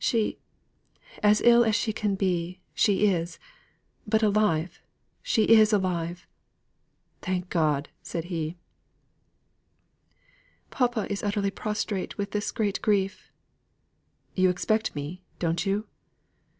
She as ill as she can be she is; but alive! She is alive!" "Thank God!" said he. "Papa is utterly prostrate with this great grief." "You expect me, don't you?"